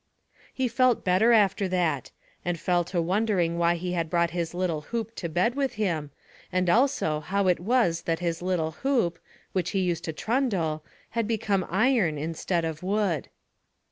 He felt better after that, and fell to wondering why he had brought his little hoop to bed with him, and also how it was that his little hoop, which he used to trundle, had become iron instead of wood.